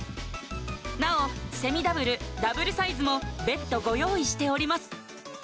なおセミダブルダブルサイズも別途ご用意しております